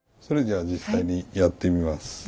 それでは実際にやってみます。